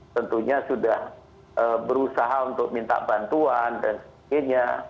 tentunya sudah berusaha untuk minta bantuan dan sebagainya